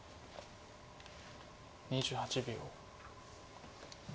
２８秒。